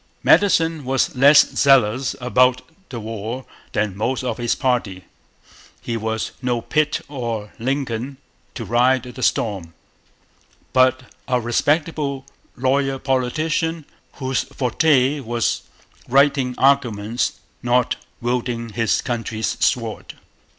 Madison was less zealous about the war than most of his party. He was no Pitt or Lincoln to ride the storm, but a respectable lawyer politician, whose forte was writing arguments, not wielding his country's sword.